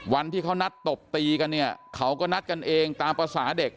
วันที่เขานัดตบตีกันเนี่ยเขาก็นัดกันเองตามภาษาเด็ก